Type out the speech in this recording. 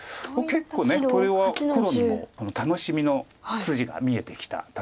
結構これは黒にも楽しみの筋が見えてきた戦いになってます。